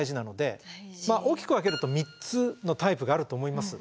大きく分けると３つのタイプがあると思います。